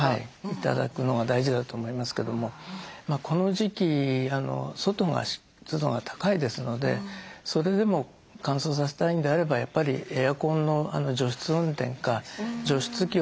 頂くのが大事だと思いますけどもこの時期外が湿度が高いですのでそれでも乾燥させたいのであればやっぱりエアコンの除湿運転か除湿機をお使い頂くのがいいと思いますね。